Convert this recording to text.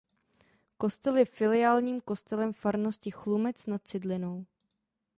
Kostel je filiálním kostelem farnosti Chlumec nad Cidlinou.